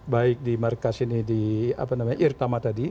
baik di markas ini di apa namanya irtama tadi